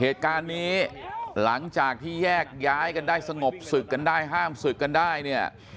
เหตุการณ์นี้หลังจากที่แยกย้ายกันได้สงบศึกกันได้ห้ามศึกกันได้เนี่ย